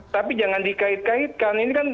tapi jangan dikait kaitkan